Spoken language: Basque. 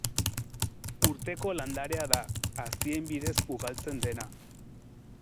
Urteko landarea da, hazien bidez ugaltzen dena.